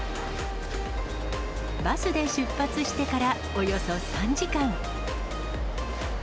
バスで出発してからおよそ３時間。